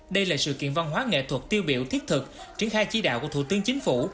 đây là sự kiện văn hóa nghệ thuật tiêu biểu thiết thực triển khai chi đạo của thủ tướng chính phủ